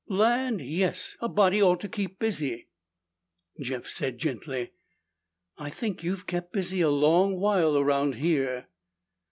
"Land, yes! A body ought to keep busy!" Jeff said gently, "I think you've kept busy a long while around here."